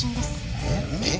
えっ！？